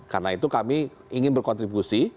karena itu kami ingin berkontribusi